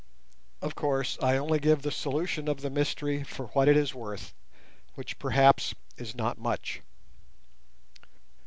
Of course I only give the solution of the mystery for what it is worth, which perhaps is not much.